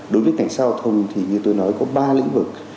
đối với cảnh sao thông thì như tôi nói có ba lĩnh vực